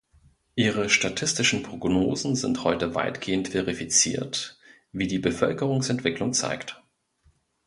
Ihre statistischen Prognosen sind heute weitgehend verifiziert, wie die Bevölkerungsentwicklung zeigt.